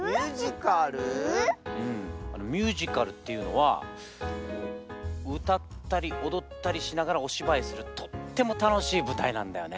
ミュージカルっていうのはうたったりおどったりしながらおしばいをするとってもたのしいぶたいなんだよね。